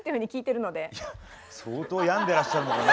相当病んでらっしゃるのかな